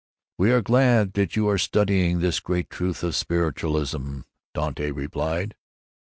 We are glad that you are studying this great truth of spiritualism," Dante replied.